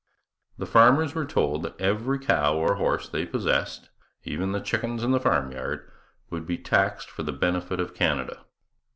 The farmers were told that every cow or horse they possessed, even the chickens in the farmyard, would be taxed for the benefit of Canada.